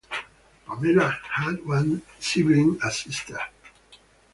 Pamela had one sibling, a sister.